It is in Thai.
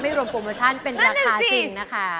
รวมโปรโมชั่นเป็นราคาจริงนะคะ